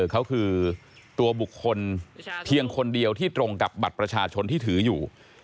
เขาคือตัวบุคคลเพียงคนเดียวที่ตรงกับบัตรประชาชนที่ถืออยู่